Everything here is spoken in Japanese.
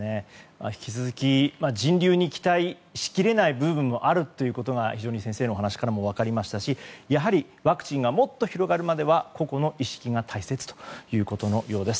引き続き、人流に期待しきれない部分もあるということですが先生のお話からも分かりましたしワクチンがもっと広がるまでは個々の意識が大切ということのようです。